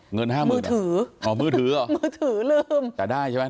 เงินห้าหมื่นมือถืออ๋อมือถือเหรอมือถือลืมแต่ได้ใช่ไหม